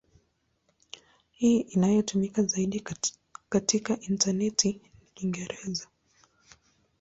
Hii inayotumika zaidi katika intaneti ni Kiingereza.